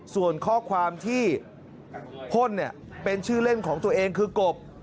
ส่วนข้อความที่พ่นเป็นชื่อเล่นของตัวเองคือกบ